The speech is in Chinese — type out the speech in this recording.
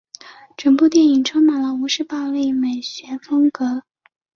整部电影充满了吴氏暴力美学风格。